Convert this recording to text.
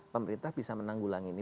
pemerintah bisa menanggulangi ini